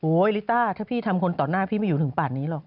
ลิต้าถ้าพี่ทำคนต่อหน้าพี่ไม่อยู่ถึงป่านนี้หรอก